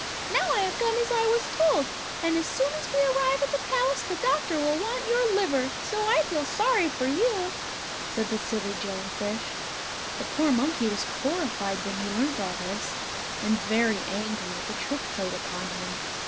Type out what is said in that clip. "Now I have done as I was told, and as soon as we arrive at the palace the doctor will want your liver, so I feel sorry for you!" said the silly jellyfish. The poor monkey was horrified when he learnt all this, and very angry at the trick played upon him.